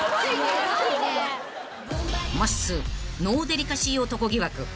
［まっすーノーデリカシー男疑惑］